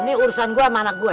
ini urusan gue sama anak gue